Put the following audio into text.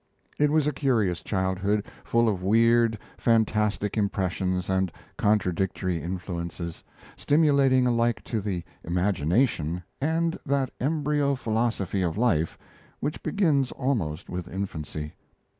It was a curious childhood, full of weird, fantastic impressions and contradictory influences, stimulating alike to the imagination and that embryo philosophy of life which begins almost with infancy.